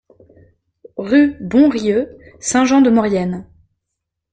Rue Bonrieux, Saint-Jean-de-Maurienne